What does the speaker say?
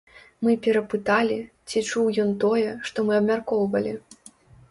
Мы перапыталі, ці чуў ён тое, што мы абмяркоўвалі?